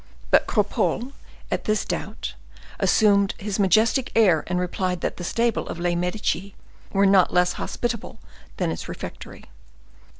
But Cropole, at this doubt, assumed his majestic air, and replied that the stables of les Medici were not less hospitable than its refectory.